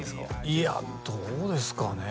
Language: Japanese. いやどうですかね